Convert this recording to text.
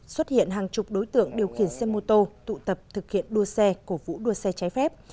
xuất hiện hàng chục đối tượng điều khiển xe mô tô tụ tập thực hiện đua xe cổ vũ đua xe trái phép